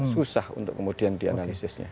susah untuk kemudian dianalisisnya